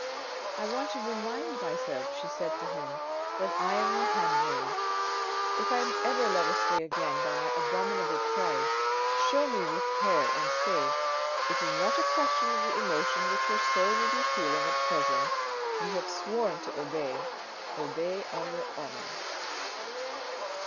" I want to remind myself," she said to him, " that I am your handmaid. If I am ever led astray again by my abominable pride, show me this hair and say, * It is not a question of the emotion which your soul may be feeling at present, you have sworn to obey, obey on your honour."